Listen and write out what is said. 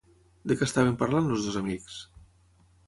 De què estaven parlant els dos amics?